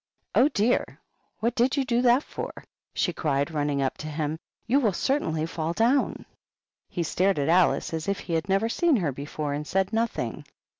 "Oh, dear! what did you do that for?" she cried, running up to him. " You will certainly fall down." He stared at Alice as if he had never seen her before, and said nothing.